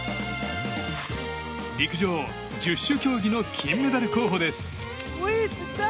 陸上・十種競技の金メダル候補です。